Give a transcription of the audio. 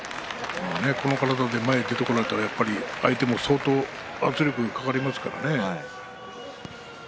この体で前に出てこられたら相手に相当圧力がかかりますからね。